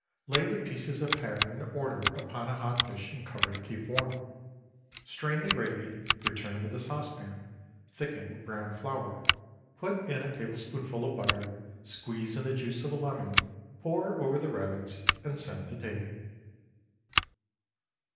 Lay the pieces of hare in order upon a hot dish and cover to keep warm. Strain the gravy, return to the saucepan, thicken with browned flour, put in a tablespoonful of butter, squeeze in the juice of a lemon, pour over the rabbits, and send to table.